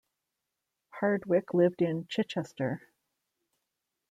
Hardwicke lived in Chichester.